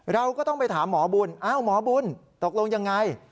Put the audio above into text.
เราก็ต้องไปถามหมอบุญอ้าวหมอบุญตกลงยังไง